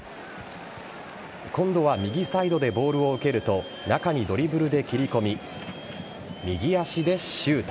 今度は右サイドでボールを受けると、中にドリブルで切り込み、右足でシュート。